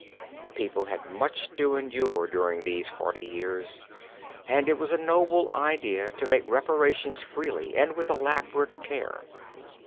The people had much to endure during these forty years, and it was a noble idea to make reparation freely and with elaborate care.